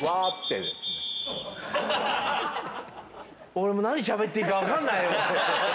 俺何しゃべっていいか分かんないよ。